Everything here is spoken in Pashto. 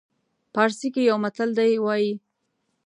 پارسي کې یو متل دی وایي.